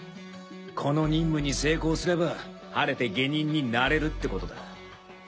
この任務に成功すれば晴れて下忍になれるってことだ。